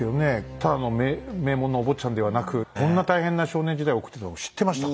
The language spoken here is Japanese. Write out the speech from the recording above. ただの名門のお坊ちゃんではなくこんな大変な少年時代を送ってたこと知ってましたか？